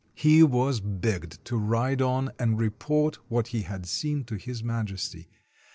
He was begged to ride on and report what he had seen to His Majesty.